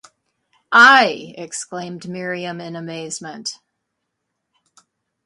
“I!” exclaimed Miriam in amazement.